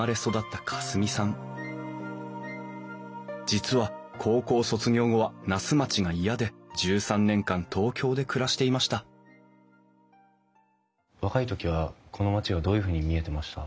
実は高校卒業後は那須町が嫌で１３年間東京で暮らしていました若い時はこの町がどういうふうに見えてました？